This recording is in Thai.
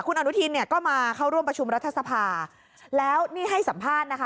คุณอนุทินเนี่ยก็มาเข้าร่วมประชุมรัฐสภาแล้วนี่ให้สัมภาษณ์นะคะ